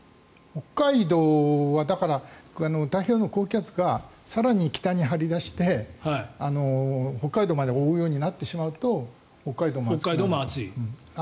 北海道は太平洋高気圧が更に北に張り出して、北海道まで覆うようになってしまうと北海道も暑くなる。